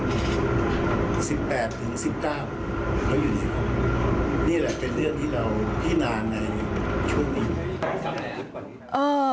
๑๘๑๙เขาอยู่ไหนครับนี่แหละเป็นเรื่องที่เราที่นานในช่วงนี้